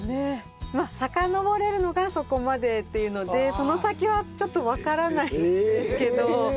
まあさかのぼれるのがそこまでっていうのでその先はちょっとわからないんですけど。